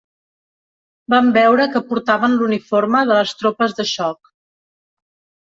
Vam veure que portaven l'uniforme de les tropes de xoc